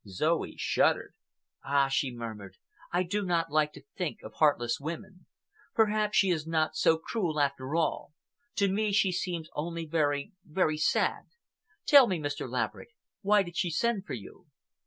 Zoe shuddered. "Ah!" she murmured, "I do not like to think of heartless women. Perhaps she is not so cruel, after all. To me she seems only very, very sad. Tell me, Mr. Laverick, why did she send for you?"